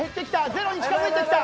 ゼロに近づいてきた。